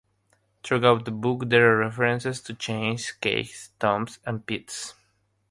Throughout the book there are references to chains, cages, tombs, and pits.